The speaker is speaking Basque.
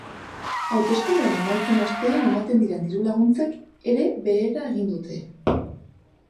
Hauteskundeen emaitzen ostean ematen diren diru-laguntzek ere behera egin dute.